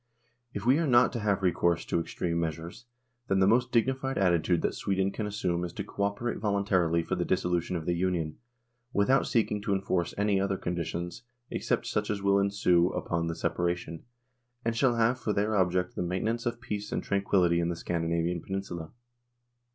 ... If we are not to have recourse to extreme measures, then the most dignified attitude that Sweden can assume is to co operate voluntarily for the dissolution of the Union, without seeking to enforce any other conditions except such as will ensue upon the separation, and shall have for their object the maintenance of peace and tranquillity in the Scandi navian peninsula